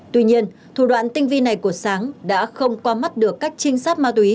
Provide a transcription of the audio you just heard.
tuy nhiên thủ đoạn tinh vi này của sáng đã không qua mắt được các trinh sát ma túy